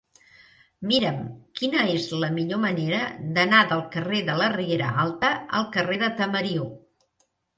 Mira'm quina és la millor manera d'anar del carrer de la Riera Alta al carrer de Tamariu.